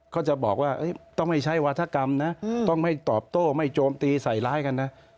ก็จะบอกว่าต้องไม่ใช้วาธกรรมนะต้องไม่ตอบโต้ไม่โจมตีใส่ร้ายกันนะ